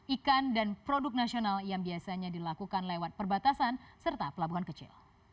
ikan dan produk nasional yang biasanya dilakukan lewat perbatasan serta pelabuhan kecil